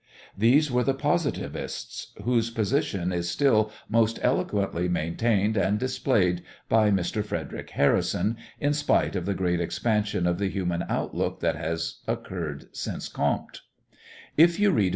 These were the positivists, whose position is still most eloquently maintained and displayed by Mr. Frederic Harrison, in spite of the great expansion of the human outlook that has occurred since Comte.